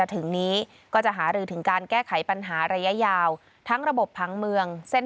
ทรงมีลายพระราชกระแสรับสู่ภาคใต้